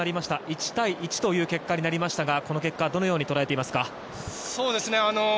１対１という結果になりましたがこの結果、どのように捉えていますか？